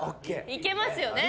いけますよね？